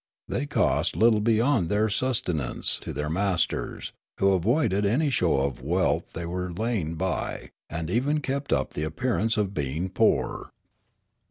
They cost little beyond their sustenance to their masters, who avoided any show of the wealth they were laying by, and even kept up the appearance of being poor.